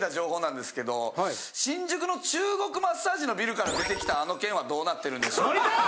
新宿の中国マッサージのビルから出てきたあの件はどうなってるんでしょうか。